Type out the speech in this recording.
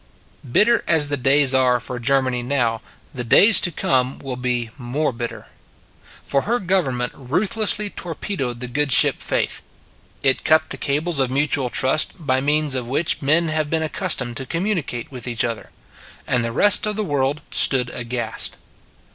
Bitter as the days are for Germany now, the days to come will be more bit ter. For her government ruthlessly tor pedoed the good ship Faith: it cut the cables of mutual trust by means of which men have been accustomed to communicate with each other. And the rest of the world stood aghast.